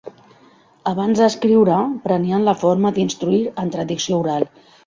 Abans d'escriure, prenien la forma d'instruir en tradició oral.